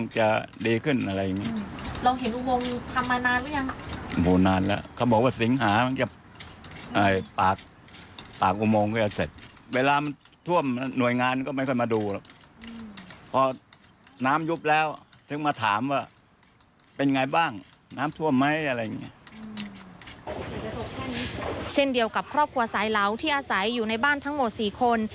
เช่นเดียวกับครอบครัวสายเหลาที่อาศัยอยู่ในบ้านทั้งหมด๔คน